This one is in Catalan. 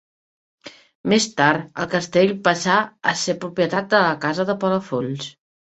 Més tard, el castell passà a ser propietat de la casa de Palafolls.